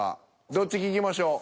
どっち聞きましょう？